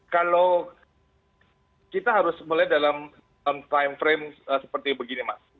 kalau kita harus mulai dalam time frame seperti begini mas